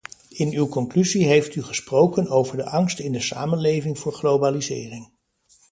In uw conclusie heeft u gesproken over de angst in de samenleving voor globalisering.